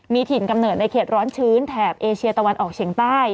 มีถิ่นกำเนิดในเขตร้อนชื้นแถบเอเชียตะวันออกเฉียงใต้